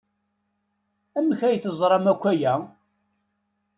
Amek ay teẓram akk aya?